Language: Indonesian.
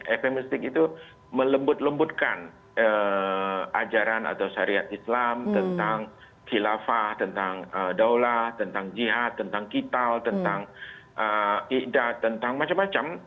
evestic itu melembut lembutkan ajaran atau syariat islam tentang khilafah tentang daulah tentang jihad tentang kital tentang ikhdat tentang macam macam